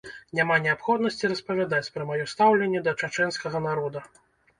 Няма неабходнасці распавядаць пра маё стаўленне да чачэнскага народа.